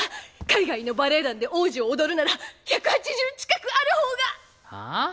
海外のバレエ団で王子を踊るなら１８０近くある方が！はあ？